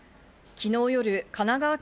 昨日夜、神奈川県